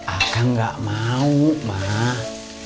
akang gak mau mah